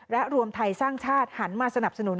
และรวมไทยสร้างชาติหันมาสนับสนุน